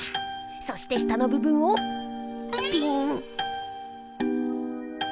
そして下のぶ分をピーン！